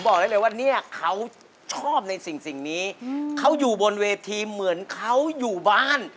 บอกได้เลยว่าเนี่ยเขาชอบในสิ่งนี้เขาอยู่บนเวทีเหมือนเขาอยู่บ้าน